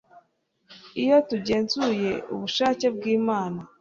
Iyo tugenzuye ubushake bwImana